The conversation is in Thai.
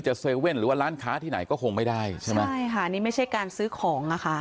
เซเว่นหรือว่าร้านค้าที่ไหนก็คงไม่ได้ใช่ไหมใช่ค่ะนี่ไม่ใช่การซื้อของอ่ะค่ะ